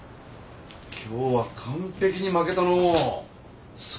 今日は完ぺきに巻けたのう。